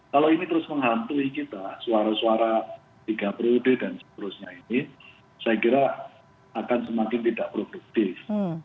kalau ini terus menghantui kita suara suara tiga periode dan seterusnya ini saya kira akan semakin tidak produktif